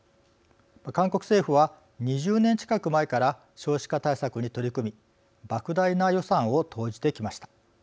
韓国政府は２０年近く前から少子化対策に取り組みばく大な予算を投じてきました。